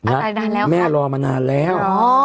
อ๋ออะไรนานแล้วค่ะแม่รอมานานแล้ว